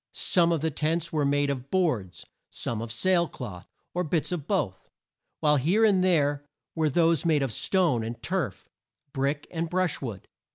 Some of the tents were made of boards, some of sail cloth, or bits of both, while here and there were those made of stone and turf, brick and brush wood.